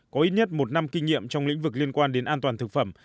có ít nhất một năm kinh nghiệm trong lĩnh vực liên quan đến an toàn thực phẩm